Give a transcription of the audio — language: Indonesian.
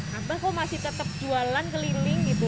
kenapa kok masih tetap jualan keliling gitu